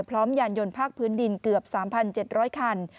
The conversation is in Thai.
ยานยนต์ภาคพื้นดินเกือบ๓๗๐๐คัน